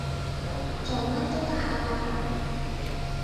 做乜都得下話？